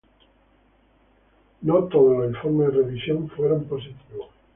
No todos los informes de revisión fueron positivos.